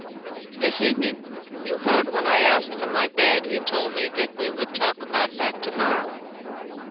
"This evening. You heard when I asked for my bed he told me that we would talk about that to morrow.